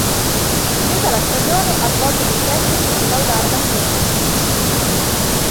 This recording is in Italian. Finita la stagione ha svolto dei test per collaudare la Fiat Sedici.